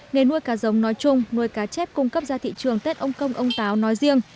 nghề nuôi cá giống nói chung nuôi cá chép cung cấp ra thị trường tết ông công ông táo nói riêng